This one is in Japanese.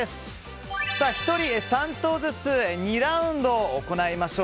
１人３投ずつ２ラウンド行いましょう。